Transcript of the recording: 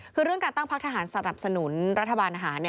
คือเรื่องการตั้งพักทหารสนับสนุนรัฐบาลอาหาร